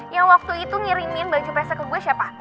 yang waktu itu ngirimin baju pesa ke gue siapa